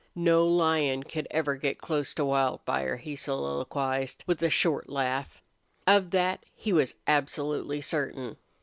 "No lion could ever get close to Wildfire," he soliloquized, with a short laugh. Of that he was absolutely certain.